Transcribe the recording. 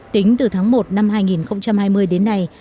tính từ tháng một năm hai nghìn hai mươi đến nay